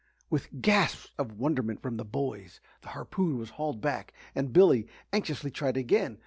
With gasps of wonderment from the boys, the harpoon was hauled back and Billy anxiously tried again.